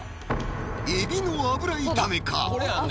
海老の油炒めか？